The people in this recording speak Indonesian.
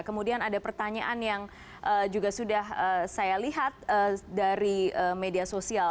kemudian ada pertanyaan yang juga sudah saya lihat dari media sosial